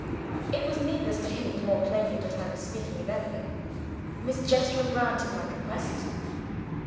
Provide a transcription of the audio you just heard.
"It was needless to hint more plainly that I was speaking of Emily. Miss Jethro granted my request.